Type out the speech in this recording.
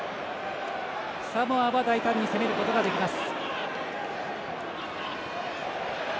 サモアは大胆に攻めることができます。